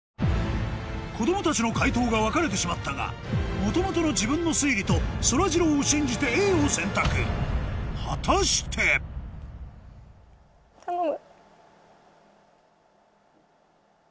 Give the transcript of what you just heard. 子供たちの解答が分かれてしまったが元々の自分の推理とそらジローを信じてＡを選択果たして⁉頼む！